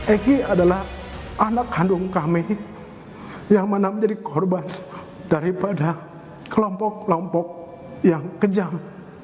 egy adalah anak kandung kami yang mana menjadi korban daripada kelompok kelompok yang kejam